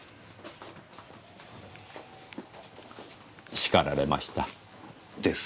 叱られました。ですね。